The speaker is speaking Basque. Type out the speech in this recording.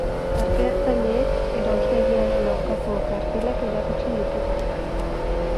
Parte-hartzaileek erraustegiaren aurkako kartelak erakutsi dituzte.